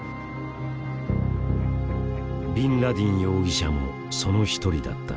ビンラディン容疑者もその一人だった。